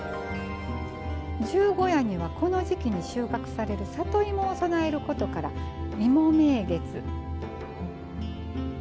十五夜にはこの時季に収穫される里芋を供えることから、芋名月。